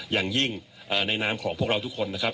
อย่างยิ่งในนามของพวกเราทุกคนนะครับ